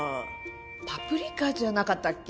パプリカじゃなかったっけ？